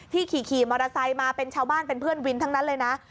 ขี่มอเตอร์ไซค์มาเป็นชาวบ้านเป็นเพื่อนวินทั้งนั้นเลยนะ